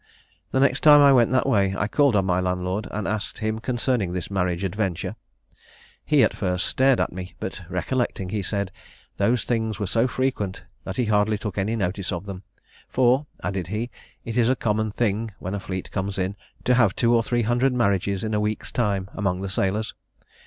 The next time I went that way I called on my landlord and asked him concerning this marriage adventure. He at first stared at me, but recollecting, he said those things were so frequent that he hardly took any notice of them; for, added he, it is a common thing when a fleet comes in, to have two or three hundred marriages in a week's time, among the sailors."